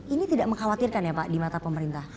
ini tidak mengkhawatirkan ya pak di mata pemerintah